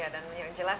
dan yang jelas